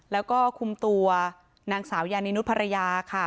แล้วก็คุมตัวนางสาวยานินุษย์ภรรยาค่ะ